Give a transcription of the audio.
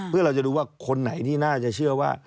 เพื่อเราจะดูว่าคนไหนที่น่าจะเชื่อว่า